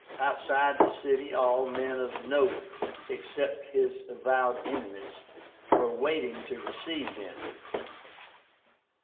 Outside the city all men of note, except his avowed enemies, were waiting to receive him.